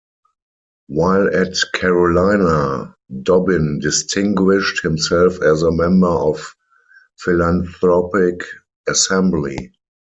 While at Carolina, Dobbin distinguished himself as a member of Philanthropic Assembly.